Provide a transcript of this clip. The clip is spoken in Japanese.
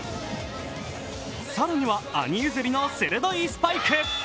更には兄譲りの鋭いスパイク。